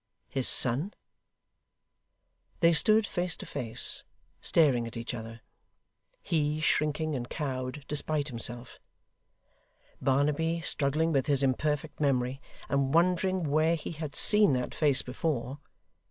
His son! They stood face to face, staring at each other. He shrinking and cowed, despite himself; Barnaby struggling with his imperfect memory, and wondering where he had seen that face before.